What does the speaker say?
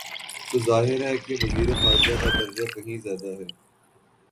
تو ظاہر ہے کہ وزیر خارجہ کا درجہ کہیں زیادہ ہے۔